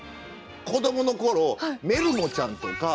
子どもの頃メルモちゃんとか。